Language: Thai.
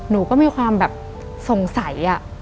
นุก็มีความโสงสัย